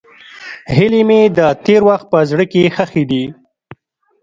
هیلې مې د تېر وخت په زړه کې ښخې دي.